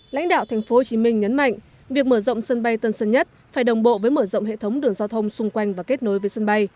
lãnh đạo tp hcm nhấn mạnh việc mở rộng sân bay tân sơn nhất phải đồng bộ với mở rộng hệ thống đường giao thông xung quanh và kết nối với sân bay